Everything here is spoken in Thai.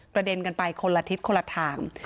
เด็นกันไปคนละทิศคนละทาง